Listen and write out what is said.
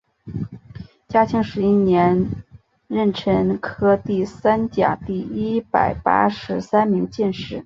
嘉靖十一年壬辰科第三甲第一百八十三名进士。